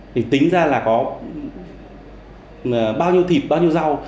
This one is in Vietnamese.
thì tính ra là có bao nhiêu thịt bao nhiêu rau